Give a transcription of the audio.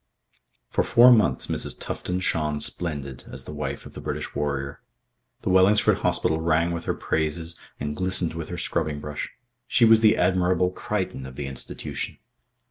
For four months Mrs. Tufton shone splendid as the wife of the British warrior. The Wellingsford Hospital rang with her praises and glistened with her scrubbing brush. She was the Admirable Crichton of the institution.